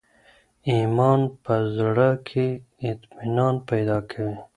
ایمان په زړه کي اطمینان پیدا کوي.